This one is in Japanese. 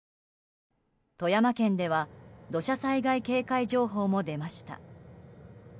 富山県では土砂災害警戒情報も出ました。